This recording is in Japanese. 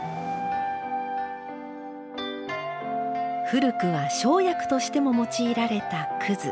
古くは生薬としても用いられたくず。